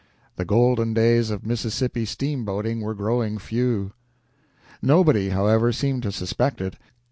The golden days of Mississippi steam boating were growing few. Nobody, however, seemed to suspect it.